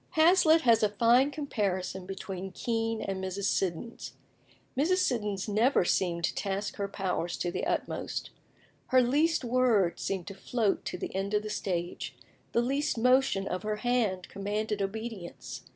Hazlitt has a fine comparison between Kean and Mrs. Siddons. Mrs. Siddons never seemed to task her powers to the utmost. Her least word seemed to float to the end of the stage; the least motion of her hand commanded obedience.